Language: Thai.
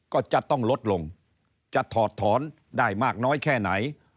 ก็จะต้องลดลงจะถอดถอนได้มากน้อยแค่ไหน